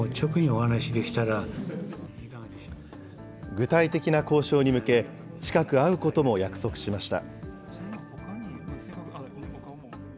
具体的な交渉に向け、近く、会うことも約束しました。